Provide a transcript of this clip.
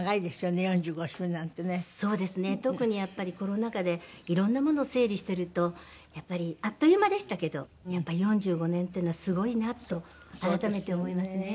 そうですね特にやっぱりコロナ禍でいろんなものを整理してるとやっぱりあっという間でしたけどやっぱり４５年っていうのはすごいなと改めて思いますね。